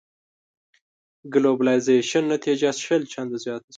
ګلوبلایزېشن نتيجه شل چنده زياته شوه.